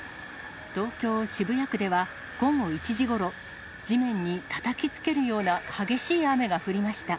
東京・渋谷区では午後１時ごろ、地面にたたきつけるような激しい雨が降りました。